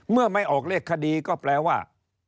เมื่อไม่ออกเลขคดีก็แปลว่า